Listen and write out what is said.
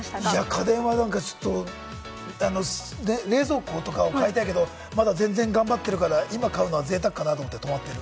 家電は、冷蔵庫とかを買いたいけれども、まだ全然頑張ってるから、今買うのは贅沢かなと思って止まってる。